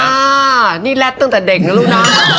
อ่านี่แร็ดตั้งแต่เด็กนะลูกนะ